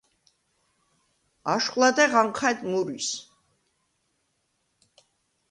აშხვ ლადა̈ღ ანჴა̈დ მურვის.